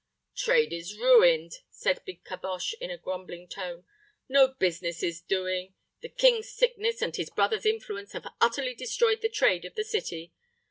"Trade is ruined," said big Caboche, in a grumbling tone. "No business is doing. The king's sickness and his brother's influence have utterly destroyed the trade of the city.